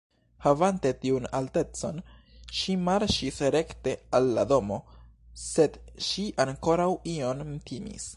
Havante tiun altecon ŝi marŝis rekte al la domo, sed ŝi ankoraŭ iom timis.